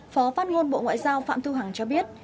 phó phát ngôn bộ ngoại giao phạm thu hằng cho biết